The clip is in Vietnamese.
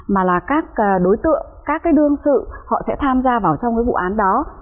mà là các đối tượng các cái đương sự họ sẽ tham gia vào trong cái vụ án đó